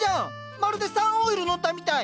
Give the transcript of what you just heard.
まるでサンオイル塗ったみたい。